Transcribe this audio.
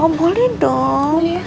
oh boleh dong